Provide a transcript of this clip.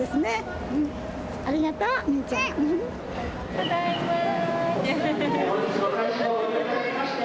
ただいまー。